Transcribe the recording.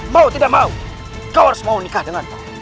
mau tidak mau kau harus mau menikah dengan aku